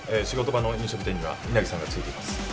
仕事場の飲食店には稲木さんがついています。